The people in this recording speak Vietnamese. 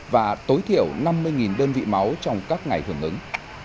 và tối thiểu năm mươi đơn vị máu trong các ngày hưởng ứng